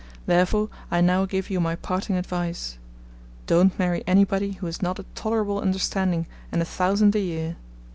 Therefore I now give you my parting advice don't marry anybody who has not a tolerable understanding and a thousand a year.